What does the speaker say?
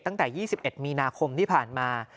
ตั้งแต่๒๑มีนาคมที่ผ่านมา